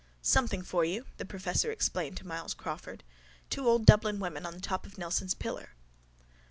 —Something for you, the professor explained to Myles Crawford. Two old Dublin women on the top of Nelson's pillar.